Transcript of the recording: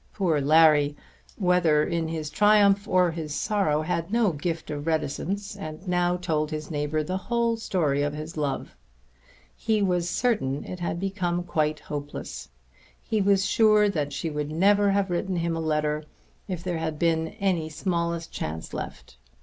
Poor Larry whether in his triumph or his sorrow had no gift of reticence and now told his neighbour the whole story of his love. He was certain it had become quite hopeless. He was sure that she would never have written him a letter if there had been any smallest chance left.